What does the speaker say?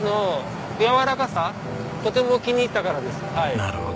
なるほど。